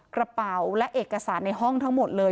กระเป๋าและเอกสารในห้องทั้งหมดเลย